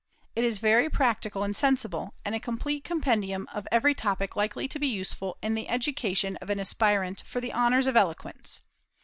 It is very practical and sensible, and a complete compendium of every topic likely to be useful in the education of an aspirant for the honors of eloquence.